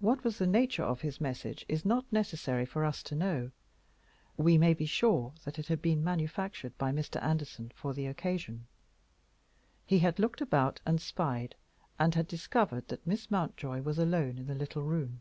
What was the nature of the message it is not necessary for us to know. We may be sure that it had been manufactured by Mr. Anderson for the occasion. He had looked about and spied, and had discovered that Miss Mountjoy was alone in the little room.